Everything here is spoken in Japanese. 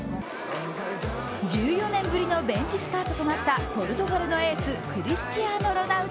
１４年ぶりのベンチスタートとなったポルトガルのエースクリスチアーノ・ロナウド。